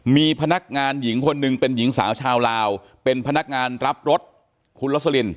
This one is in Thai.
มีพนักงานหญิงคนหนึ่งเป็นหญิงสาวชาวลาวเป็นพนักงานรับรถคุณลสลิน